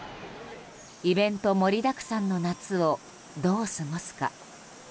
イベント盛りだくさんの夏をどう過ごすか。